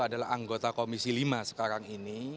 adalah anggota komisi lima sekarang ini